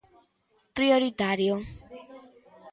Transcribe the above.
Prioritario.